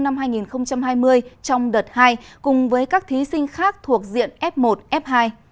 năm hai nghìn hai mươi trong đợt hai cùng với các thí sinh khác thuộc diện f một f hai